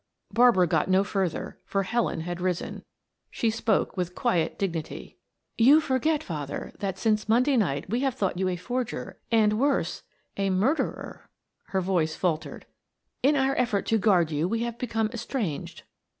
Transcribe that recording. Barbara got no further, for Helen had risen. She spoke with quiet dignity. "You forget, father, that since Monday night we have thought you a forger and, worse, a murderer," her voice faltered. "In our effort to guard you we have become estranged.